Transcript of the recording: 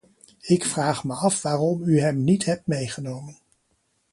Ik vraag me af waarom u hem niet hebt meegenomen.